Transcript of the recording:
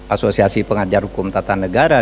asosiasi pengajar hukum tata negara